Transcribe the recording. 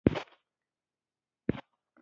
ښوونځی راتلونکي ته تیاری ورکوي.